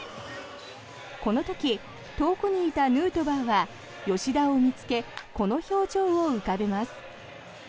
この時、遠くにいたヌートバーは吉田を見つけこの表情を浮かべます。